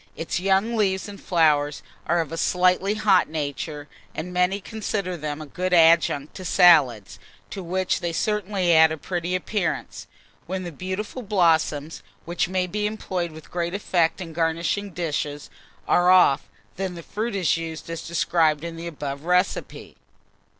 Its young leaves and flowers are of a slightly hot nature, and many consider them a good adjunct to salads, to which they certainly add a pretty appearance. When the beautiful blossoms, which may be employed with great effect in garnishing dishes, are off, then the fruit is used as described in the above recipe.